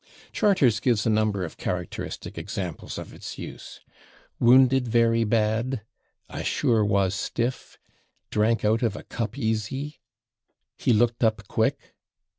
Charters gives a number of characteristic examples of its use: "wounded very /bad/," "I /sure/ was stiff," "drank out of a cup /easy/," "he looked up /quick